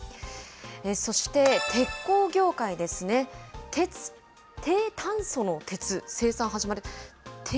そして鉄鋼業界ですね、低炭素の鉄、生産始まる。